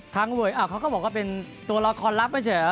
คังเวย์เขาก็บอกว่าเป็นตัวละครลับไม่ใช่แล้ว